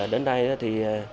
đến nay thì